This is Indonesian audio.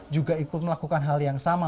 juga ikut melakukan hal yang sama